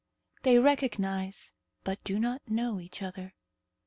THEY RECOGNIZE, BUT DO NOT KNOW, EACH OTHER.